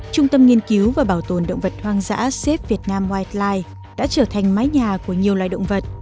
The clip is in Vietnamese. trung tâm nghiên cứu và bảo tồn động vật hoang dã xếp việt nam wildlife đã trở thành mái nhà của nhiều loài động vật